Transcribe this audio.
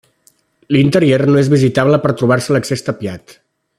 L'interior no és visitable per trobar-se l'accés tapiat.